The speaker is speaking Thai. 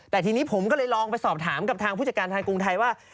แต่ทีนี้ผมก็เลยลองไปสอบถามกับทางผู้จัดการทางกรุงไทยว่า